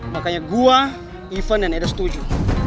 makanya gue ivan dan eda setuju